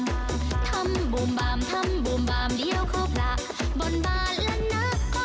ทำบูมบามทำบูมบามเดียวเข้าพระบนบานแล้วนะ